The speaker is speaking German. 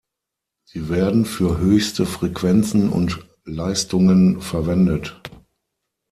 Sie werden für höchste Frequenzen und Leistungen verwendet.